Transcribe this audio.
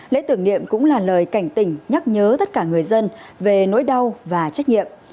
lễ tưởng niệm cũng là lời cảnh tỉnh nhắc nhớ tất cả người dân về nỗi đau và trách nhiệm